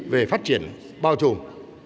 về phát triển bao trùm